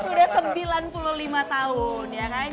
udah sembilan puluh lima tahun